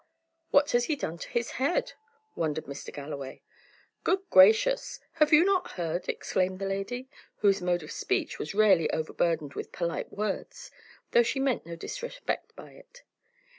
"What has he done to his head?" wondered Mr. Galloway. "Good gracious! have you not heard?" exclaimed the lady, whose mode of speech was rarely overburdened with polite words, though she meant no disrespect by it.